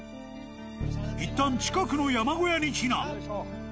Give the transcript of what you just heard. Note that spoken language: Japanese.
いったん近くの山小屋に避難。